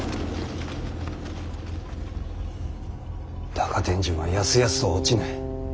高天神はやすやすとは落ちぬ。